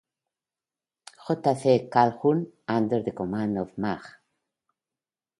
J. C. Calhoun, under the command of Maj.